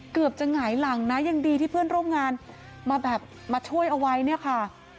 เกือบจะหงายหลังนะยังดีที่เพื่อนร่วมงานมาแบบมาช่วยเอาไว้เนี่ยค่ะ